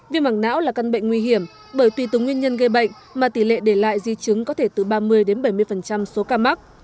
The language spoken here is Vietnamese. viêm mảng não là căn bệnh nguy hiểm bởi tùy từ nguyên nhân gây bệnh mà tỷ lệ để lại di chứng có thể từ ba mươi đến bảy mươi số ca mắc